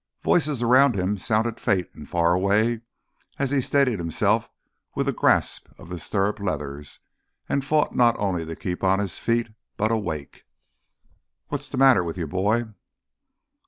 Voices around him sounded faint and far away as he steadied himself with a grasp on the stirrup leathers and fought not only to keep on his feet but awake. "What's the matter with you, boy?"